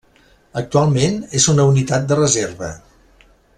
Actualment, és una unitat de reserva.